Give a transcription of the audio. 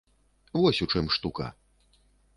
Вось у чым штука.